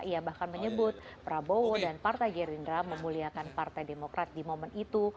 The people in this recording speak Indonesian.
ia bahkan menyebut prabowo dan partai gerindra memuliakan partai demokrat di momen itu